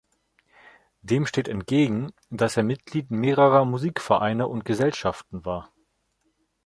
Dem steht entgegen, dass er Mitglied mehrerer Musikvereine und -Gesellschaften war.